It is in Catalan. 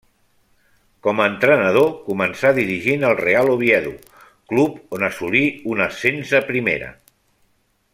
Com a entrenador començà dirigint el Real Oviedo, club on assolí un ascens a Primera.